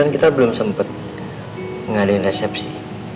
kita belum sempat mengadakan resepsi